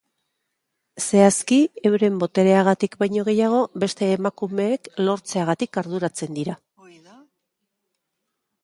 Zehazki, euren botereagatik baino gehiago, beste emakumeek lortzeagatik arduratzen dira.